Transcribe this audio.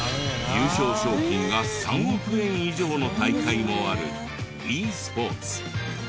優勝賞金が３億円以上の大会もあるｅスポーツ。